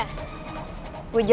kayak atau ga aja sih